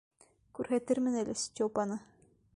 Күрһәтермен әле Степаны.